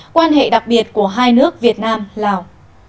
quan hệ đặc biệt của hai nước việt nam lào